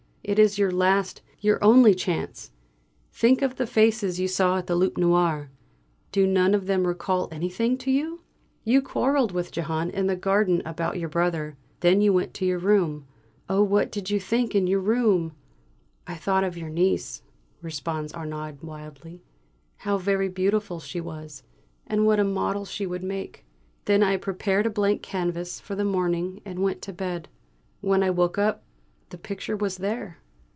"It is your last, your only chance! Think of the faces you saw at the 'Loup Noir.' Do none of them recall anything to you? You quarrelled with Jehane in the garden about your brother. Then you went to your room. Oh, what did you think in your room?" "I thought of your niece," responds Arnaud wildly. "How very beautiful she was, and what a model she would make. Then I prepared a blank canvas for the morning, and went to bed. When I woke up the picture was there."